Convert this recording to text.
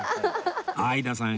相田さん